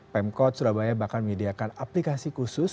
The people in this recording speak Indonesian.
pemkot surabaya bahkan menyediakan aplikasi khusus